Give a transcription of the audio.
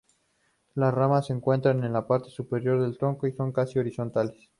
Las ramas se encuentran en la parte superior del tronco y son casi horizontales.